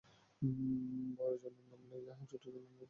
বড়জনের নাম লায়্যা এবং ছোটজনের নাম রাহীল।